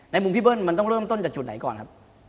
มุมพี่เบิ้ลมันต้องเริ่มต้นจากจุดไหนก่อนครับ